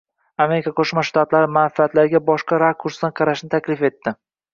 Amerika Qo'shma Shtatlari manfaatlariga boshqa rakursdan qarashni taklif etdi.